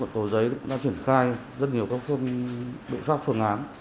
cô gái đã truyền khai các bệ pháp phương án